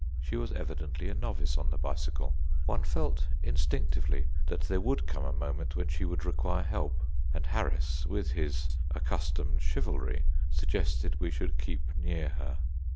She was evidently a novice on the bicycle. One felt instinctively that there would come a moment when she would require help, and Harris, with his accustomed chivalry, suggested we should keep near her.